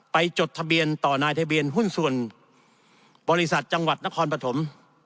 จดทะเบียนต่อนายทะเบียนหุ้นส่วนบริษัทจังหวัดนครปฐม